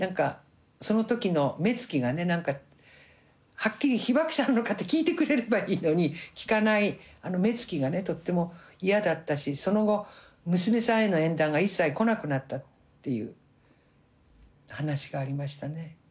はっきり被爆者なのかって聞いてくれればいいのに聞かないあの目つきがとっても嫌だったしその後娘さんへの縁談が一切来なくなったっていう話がありましたね。